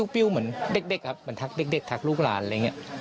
ปิ้วเหมือนเด็กครับเหมือนทักเด็กทักลูกหลานอะไรอย่างนี้